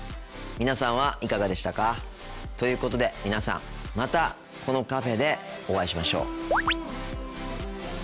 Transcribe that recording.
皆さんはいかがでしたか？ということで皆さんまたこのカフェでお会いしましょう。